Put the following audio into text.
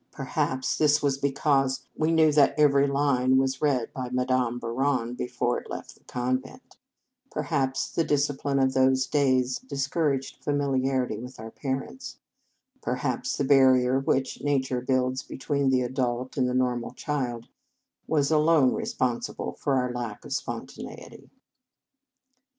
Perhaps this was be cause we knew that every line was read by Madame Bouron before it left the convent; perhaps the discipline of those days discouraged familiarity with our parents; perhaps the barrier which nature builds between the adult and the normal child was alone re sponsible for our lack of spontaneity.